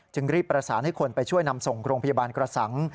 รีบประสานให้คนไปช่วยนำส่งโรงพยาบาลกระสัง